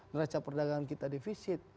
neraca perdagangan kita defisit